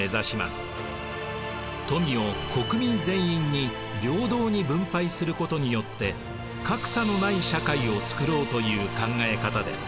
富を国民全員に平等に分配することによって格差のない社会をつくろうという考え方です。